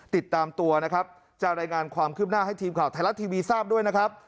ติดตามตัวนะครับจะรายงานความคืบหน้าให้ทีมข่าวไทยรัฐทีวีทราบด้วยนะครับ